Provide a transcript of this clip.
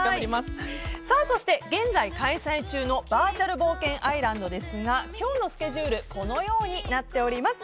そして、現在開催中のバーチャル冒険アイランドですが今日のスケジュールはこのようになっております。